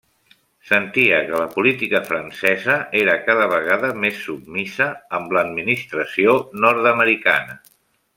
Sentia que la política francesa era cada vegada més submisa amb l'administració nord-americana.